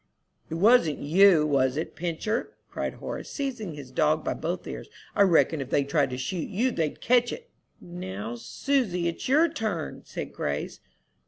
"It wasn't you, was it, Pincher," cried Horace, seizing his dog by both ears. "I reckon if they tried to shoot you they'd catch it." "Now, Susy, it's your turn," said Grace.